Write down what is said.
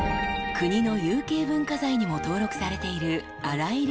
［国の有形文化財にも登録されている］